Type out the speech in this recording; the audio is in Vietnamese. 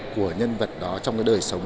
của nhân vật đó trong đời sống